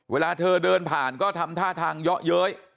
เวลาเธอเดินผ่านก็ทำท่าทางเยาะเย้ย